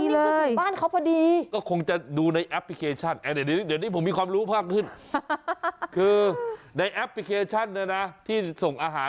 ลองใช้แล้วผมลองศึกษาดูนะฮะ